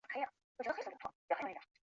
广川町是和歌山县的一町。